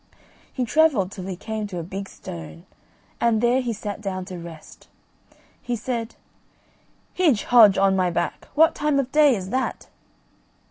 He travelled till he came to a big stone, and there he sat down to rest. He said, "Hidge, Hodge, on my back, what time of day is that?"